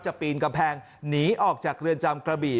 ปีนกำแพงหนีออกจากเรือนจำกระบี่